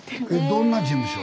どんな事務所？